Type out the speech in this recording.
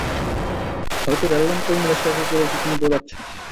হয়তো রেললাইন কর্মীরা সেই কুকুরের পেছনে দৌড়াচ্ছে।